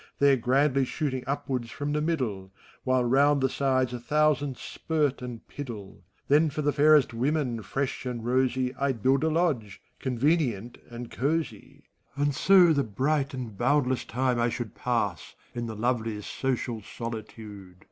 There grandly shooting upwards from the middle, While round the sides a thousand spirt and piddle. Then for the fairest women, fresh and rosy, I'd build a lodge, convenient and cosey; And so the bright and boundless time I should 192 FAUST, Pass in the loveliest social solitude.